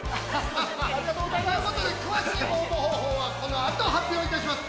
◆ということで、詳しい応募方法はこのあと発表します。